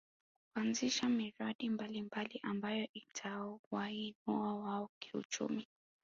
Kuanzisha miradi mbalimbali ambayo itawainua wao kiuchumi